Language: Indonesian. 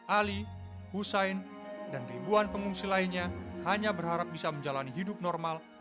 ali husain dan ribuan pengungsi lainnya hanya berharap bisa menjalani hidup normal